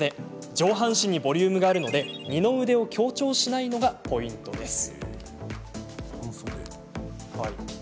上半身にボリュームがあるので二の腕を強調しないのがポイントです。